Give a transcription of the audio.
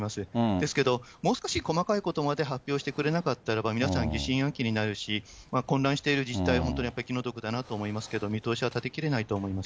ですけど、もう少し細かいことまで発表してくれなかったらば、皆さん疑心暗鬼になるし、混乱している自治体、本当にやっぱり気の毒だなと思いますけど、見通しは立てきれないと思います。